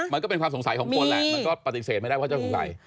มันก็เป็นความสงสัยของคนแหละมันก็ปฏิเสธไม่ได้ว่าจะสงสัย